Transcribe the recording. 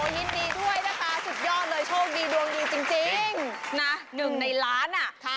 ยินดีด้วยนะคะสุดยอดเลยโชคดีดวงดีจริงนะหนึ่งในล้านอ่ะ